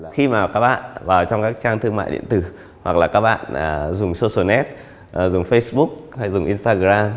khi mà các bạn vào trong các trang thương mại điện tử hoặc là các bạn dùng socionet dùng facebook hay dùng instagram